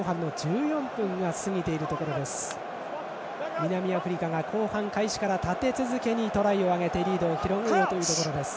南アフリカが後半開始から立て続けにトライを挙げてリードを広げようというところ。